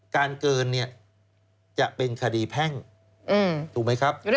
เกินเนี่ยจะเป็นคดีแพ่งถูกไหมครับ